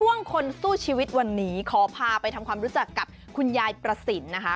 คนสู้ชีวิตวันนี้ขอพาไปทำความรู้จักกับคุณยายประสินนะคะ